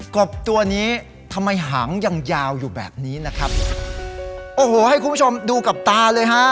บตัวนี้ทำไมหางยังยาวอยู่แบบนี้นะครับโอ้โหให้คุณผู้ชมดูกับตาเลยฮะ